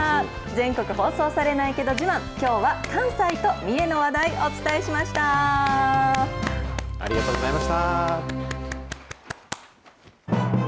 全国放送されないけど自慢、きょうは関西と三重の話題、お伝えしありがとうございました。